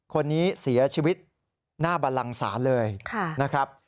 คนนี้เสียชีวิตหน้าบันลังศาลเลยนะครับ